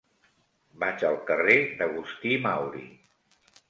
Vaig al carrer d'Agustí Mauri.